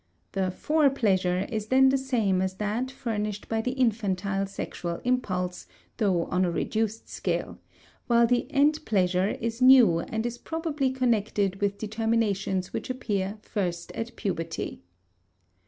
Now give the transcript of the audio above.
The fore pleasure is then the same as that furnished by the infantile sexual impulse, though on a reduced scale; while the end pleasure is new and is probably connected with determinations which first appear at puberty.